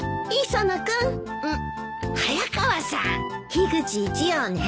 樋口一葉ね。